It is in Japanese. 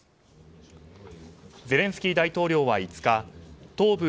ゼレンスキー大統領は５日東部